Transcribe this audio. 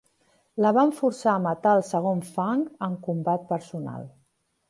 La van forçar a matar el segon Fang en combat personal.